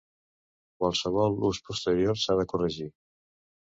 Qualsevol ús posterior s'ha de corregir.